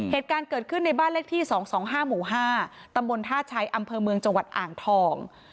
เหตุการณ์เกิดขึ้นในบ้านเลขที่๒๒๕หมู่๕ตำบลท่าชัยอำเภอเมืองจังหวัดอ่างทอง